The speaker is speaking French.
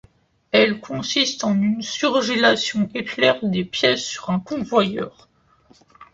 Elle consiste en une surgélation éclair des pièces sur un convoyeur.